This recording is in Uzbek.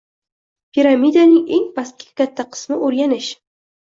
Piramidaning eng pastki katta qismi o’rganish.